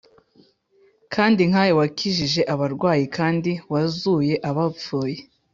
kandi nkawe wakijije abarwayi kandi wazuye abapfuye